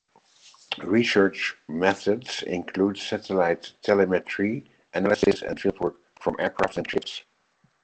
Research methods include satellite telemetry analysis and fieldwork from aircraft and ships.